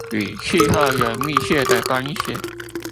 與氣候有密切的關係